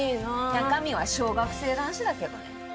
中身は小学生男子だけどね。